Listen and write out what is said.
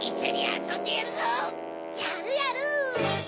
やるやる！